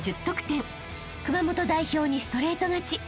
［熊本代表にストレート勝ち］